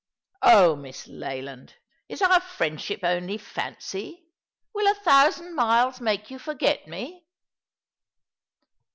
"Oh, Miss Leland, is our friendship only fancy? Will a thousand miles make you forget me